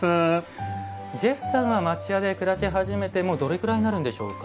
ジェフさんは町家で暮らし始めてもうどれぐらいになるんでしょうか。